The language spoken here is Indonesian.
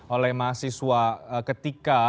oleh mahasiswa ketika